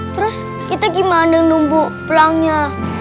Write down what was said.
terus kita gimana nunggu pulangnya